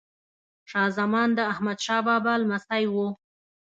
شاه زمان د احمد شاه بابا لمسی وه.